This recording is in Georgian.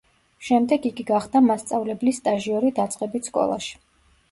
შემდეგ იგი გახდა მასწავლებლის სტაჟიორი დაწყებით სკოლაში.